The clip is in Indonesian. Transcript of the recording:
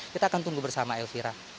kita akan tunggu bersama elvira